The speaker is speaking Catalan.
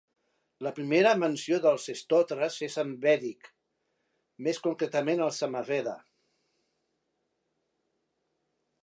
La primera menció dels stotres és en vèdic, més concretament al Samaveda.